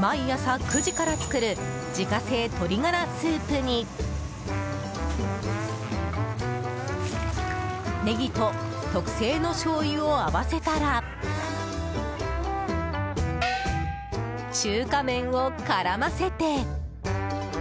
毎朝９時から作る自家製鶏ガラスープにネギと特製のしょうゆを合わせたら中華麺を絡ませて。